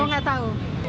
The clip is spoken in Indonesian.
oh nggak tau